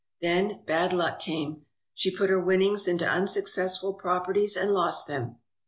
Then bad luck came. She put her winnings into unsuccessful properties and lost them.